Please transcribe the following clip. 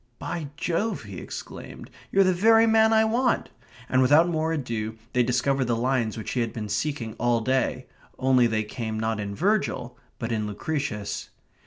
"By Jove!" he exclaimed. "You're the very man I want!" and without more ado they discovered the lines which he had been seeking all day; only they come not in Virgil, but in Lucretius.